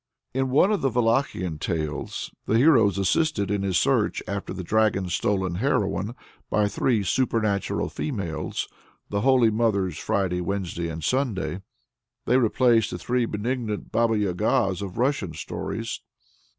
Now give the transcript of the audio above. In one of the Wallachian tales the hero is assisted in his search after the dragon stolen heroine by three supernatural females the holy Mothers Friday, Wednesday, and Sunday. They replace the three benignant Baba Yagas of Russian stories.